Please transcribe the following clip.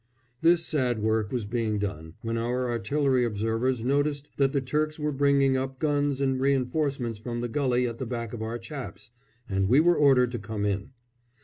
This sad work was being done, when our artillery observers noticed that the Turks were bringing up guns and reinforcements from the gulley at the back of our chaps, and we were ordered to come in.